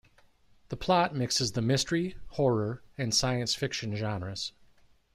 The plot mixes the mystery, horror, and science fiction genres.